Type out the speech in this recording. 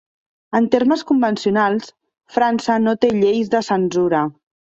En termes convencionals, França no té lleis de censura.